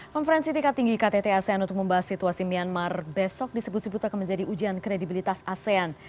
konferensi tingkat tinggi ktt asean untuk membahas situasi myanmar besok disebut sebut akan menjadi ujian kredibilitas asean